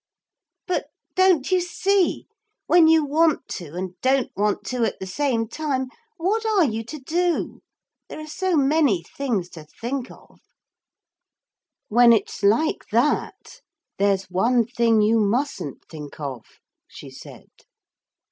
'But don't you see, when you want to and don't want to at the same time, what are you to do? There are so many things to think of.' 'When it's like that, there's one thing you mustn't think of,' she said.